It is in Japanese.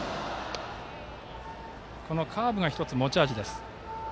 このカーブが１つ、持ち味です。